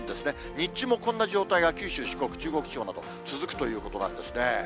日中もこんな状態が九州、四国、中国地方など、続くということなんですね。